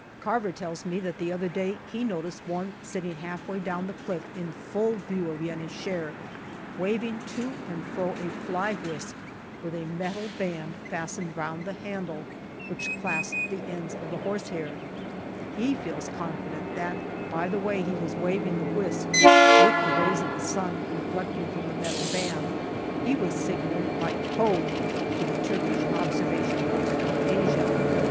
Carver tells me that the other day he noticed one sitting half way down the cliff in full view of Yen i Shehr, waving to and fro a fly whisk with a metal band fastened round the handle which clasped the ends of the horsehair ; he feels confident that by the way he was waving the whisk, with the rays of the sun reflecting from the metal band, he was signalling by code to the Turkish observation post on Asia.